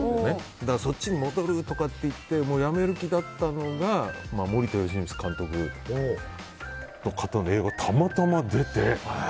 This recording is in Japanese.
そっちに戻るって言って辞める気だったのが森田芳光監督の映画にたまたま出て。